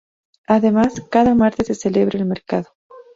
Además, cada martes se celebra el mercado.